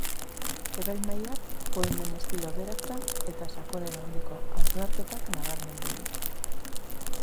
Epaimahaiak poemen estilo aberatsa eta sakonera handiko hausnarketak nabarmendu ditu.